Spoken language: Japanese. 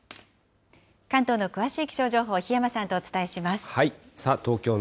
関東の詳しい気象情報、檜山さんとお伝えします。